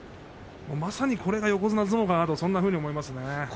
まさにこれが横綱相撲だなとそんなふうに思いますね。